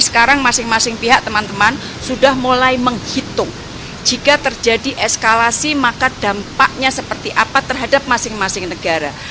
sekarang masing masing pihak teman teman sudah mulai menghitung jika terjadi eskalasi maka dampaknya seperti apa terhadap masing masing negara